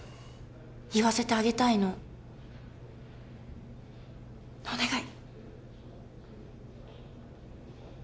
言わせてあげたいのお願い